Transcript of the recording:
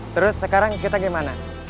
terus sekarang kita gimana